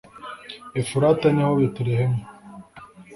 efurata ni ho betelehemu